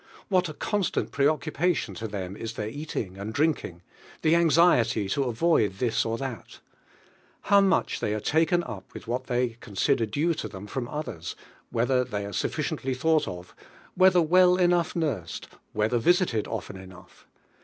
What a constant pre oecn paltion to them is their eating and drinking, the anxiety to avoid this or that! How much they are taken up with wlial i bey consider ttne to thom from others, whether [hey are sufficiently thought of, whether well enough nursed, whether visited often enough!